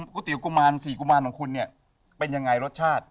เตี๋ยกุมาร๔กุมารของคุณเนี่ยเป็นยังไงรสชาติ